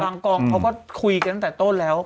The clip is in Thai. กองเขาก็คุยกันตั้งแต่ต้นแล้ว